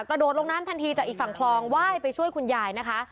กระโดดลงน้ำทันทีจากอีกฝั่งคลองไหว้ไปช่วยคุณยายนะคะ